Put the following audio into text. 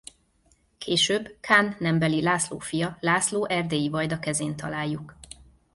Később Kán nembeli László fia László erdélyi vajda kezén találjuk.